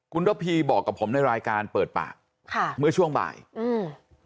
คุณระพีบอกกับผมในรายการเปิดปากค่ะเมื่อช่วงบ่ายอืม